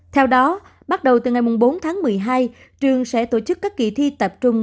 theo đó bắt đầu từ ngày bốn tháng một mươi hai trường sẽ tổ chức các kỳ thi tập trung